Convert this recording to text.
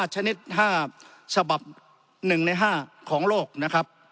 ชนิด๕ฉบับ๑ใน๕ของโลกนะครับ